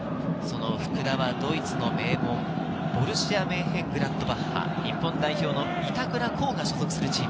福田はドイツの名門、ボルシア・メンヘングラートバッハ、日本代表の板倉滉が所属するチーム。